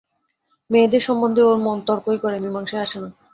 মেয়েদের সম্বন্ধে ওর মন তর্কই করে, মীমাংসায় আসে না।